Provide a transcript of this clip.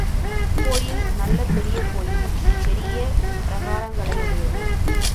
கோயில் நல்ல பெரிய கோயில், பெரிய பிரகாரங்களையுடையது.